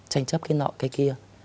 tranh chấp cái nọ cái kia